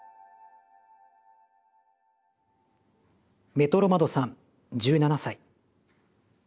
メトロ窓さん１７歳。